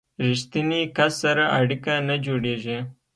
ریښتیني کس سره اړیکه نه جوړیږي.